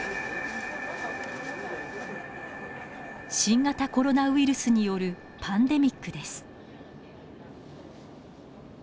新型コロナウイルスによるパンデミックです。